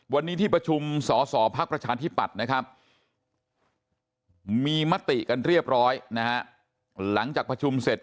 วันนี้ที่ประชุมสอสอพักประชาธิปัตย์นะครับมีมติกันเรียบร้อยนะฮะหลังจากประชุมเสร็จ